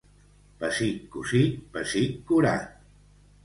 Pessic cosit, pessic curat.